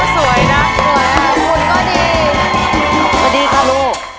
สวัสดีค่ะลูก